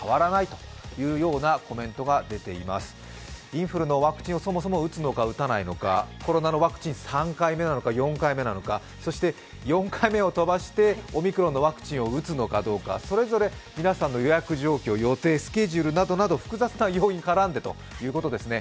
インフルのワクチンをそもそも打つのか打たないのかコロナのワクチン３回目なのか４回目なのか、そして４回目を飛ばしてオミクロンのワクチンを打つのかどうかそれぞれ皆さんの予約状況、予定、スケジュールなどなど複雑な要因が絡んでということですね。